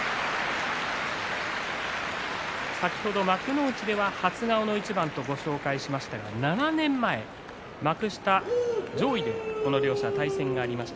先ほど幕内では初顔の一番とご紹介しましたが７年前、幕下上位でこの両者対戦がありました。